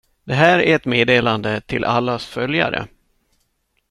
Det här är ett meddelande till allas följare.